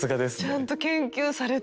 ちゃんと研究されて。